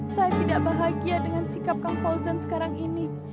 saya tidak bahagia dengan sikap kang fauzan sekarang ini